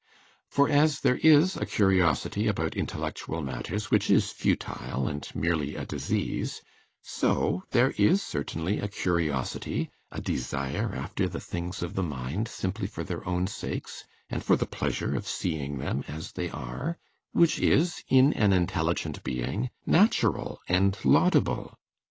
For as there is a curiosity about intellectual matters which is futile, and merely a disease, so there is certainly a curiosity a desire after the things of the mind simply for their own sakes and for the pleasure of seeing them as they are which is, in an intelligent being, natural and laudable.